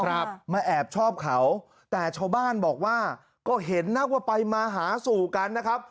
ครับมาแอบชอบเขาแต่ชาวบ้านบอกว่าก็เห็นนักว่าไปมาหาสู่กันนะครับ